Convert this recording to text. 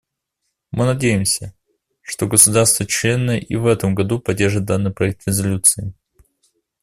Мы надеемся, что государства-члены и в этом году поддержат данный проект резолюции.